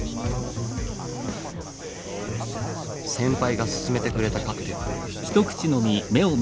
先輩が薦めてくれたカクテル。